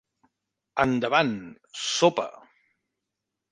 Endavant, sopa.